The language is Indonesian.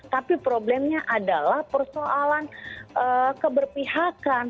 tapi problemnya adalah persoalan keberpihakan